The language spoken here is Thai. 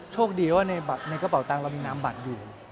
โชคดีว่าในกระเป๋าตังค์เรามีน้ำบัตรอยู่